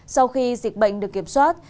sau khi dịch bệnh được kiểm soát